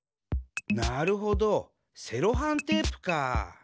なるほどセロハンテープかあ。